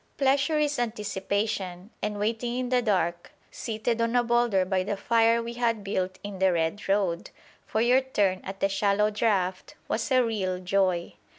Pleasure is anticipation; and waiting in the dark, seated on a boulder by the fire we had built in the red road, for your turn at the shallow draught was a real joy.